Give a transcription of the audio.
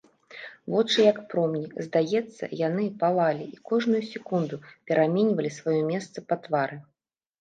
Вочы, як промні, здаецца яны палалі і кожную секунду пераменьвалі сваё месца па твары.